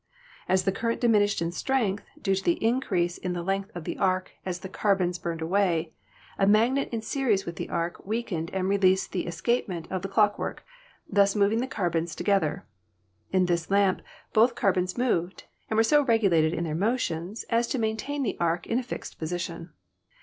As the current diminished in strength, due to the increase in the length of the arc as the carbons burned away, a magnet in series with the arc weakened and released the escapement of the clockwork, thus moving the carbons together. In this lamp both carbons moved, and were so regulated in their motions as to maintain the arc in a fixed position.